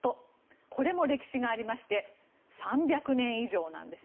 これも歴史がありまして３００年以上なんです。